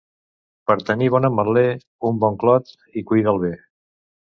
Per tenir bon ametler, un bon clot i cuida'l bé.